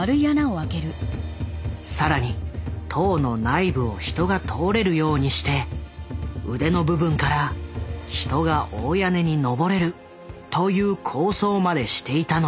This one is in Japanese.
更に塔の内部を人が通れるようにして腕の部分から人が大屋根に登れるという構想までしていたのだ。